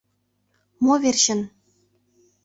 Мо верчын!